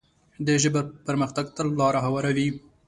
د ژبې پرمختګ ته لاره هواروي.